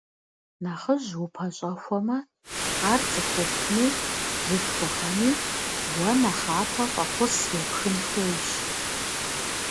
Нэхъыжь упэщӏэхуамэ, ар цӏыхухъуми бзылъхугъэми уэ нэхъапэ фӏэхъус епхын хуейщ.